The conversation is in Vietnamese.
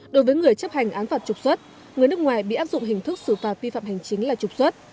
đối với người chấp hành án phạt trục xuất người nước ngoài bị áp dụng hình thức xử phạt vi phạm hành chính là trục xuất